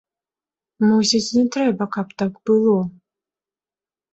Мусіць, не трэба, каб так было.